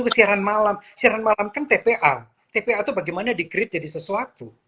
siaran malam kan tpa tpa itu bagaimana di create jadi sesuatu